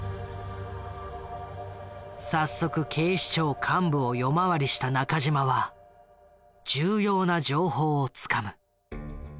早速警視庁幹部を夜回りした中島は重要な情報をつかむ。